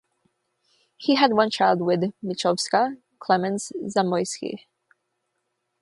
He had one child with Michowska, Klemens Zamoyski.